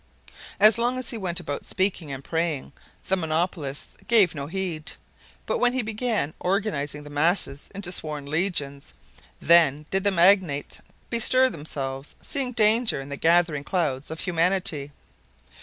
As long as he went about speaking and praying, the monopolists gave no heed. But when he began organizing the masses into sworn legions, then did the magnates bestir themselves, seeing danger in the gathering clouds of humanity.